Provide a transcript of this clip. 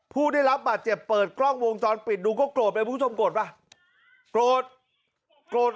ผู้ได้รับบาดเจ็บเปิดกล้องวงจรปิดดูก็โกรธไหมคุณผู้ชมโกรธป่ะโกรธโกรธ